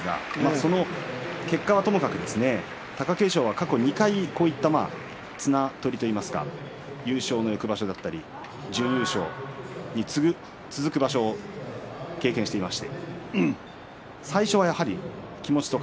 その結果はともかく貴景勝、過去２回こういった綱取りといいますか優勝の翌場所であったり準優勝の場所が続いていました。